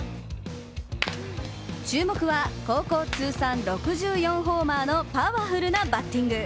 注目は、高校通算６４ホーマーのパワフルなバッティング。